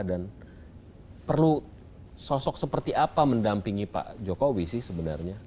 dan perlu sosok seperti apa mendampingi pak jokowi sih sebenarnya